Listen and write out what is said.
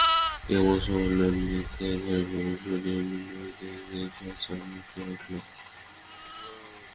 এমন সময় ললিতা ঘরে প্রবেশ করিয়াই বিনয়কে দেখিয়া চমকিয়া উঠিল।